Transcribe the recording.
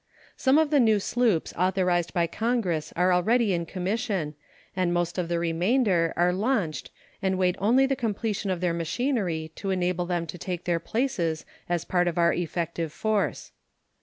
Some of the new sloops authorized by Congress are already in commission, and most of the remainder are launched and wait only the completion of their machinery to enable them to take their places as part of our effective force.